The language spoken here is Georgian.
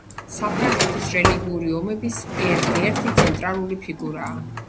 საფრანგეთის რელიგიური ომების ერთ-ერთი ცენტრალური ფიგურა.